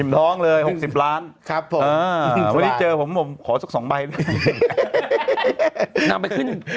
อิ่มท้องเลย๖๐ล้านครับผมมีเจอผมขอซัก๒ใบ